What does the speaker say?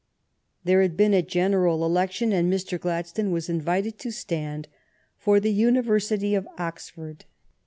There had been a general election, and Mr. Gladstone was invited to stand for the University of Oxford.